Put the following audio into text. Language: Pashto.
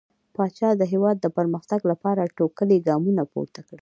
پاچا د هيواد د پرمختګ لپاره ټوکلي ګامونه پورته کړل .